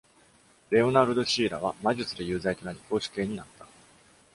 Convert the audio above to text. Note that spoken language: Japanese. レオナルド・シーラは魔術で有罪となり絞首刑になった。